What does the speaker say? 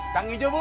tang hijau bu